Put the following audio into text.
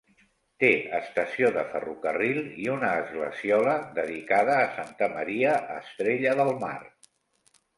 Té estació de ferrocarril i una esglesiola, dedicada a santa Maria Estrella del Mar.